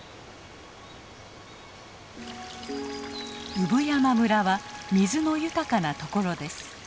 産山村は水の豊かな所です。